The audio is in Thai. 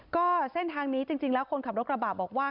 ก็เส้นทางนี้จริงแล้วคนขับรถกระบะบอกว่า